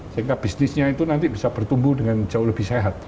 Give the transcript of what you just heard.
sehingga bisnisnya itu nanti bisa bertumbuh dengan jauh lebih sehat